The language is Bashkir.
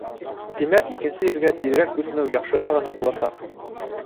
Тимәк, икенсе ергә тиҙерәк күсенеү яҡшыға ғына буласаҡ.